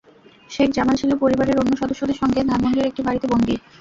শেখ জামাল ছিল পরিবারের অন্য সদস্যদের সঙ্গে ধানমন্ডির একটি বাড়িতে বন্দী।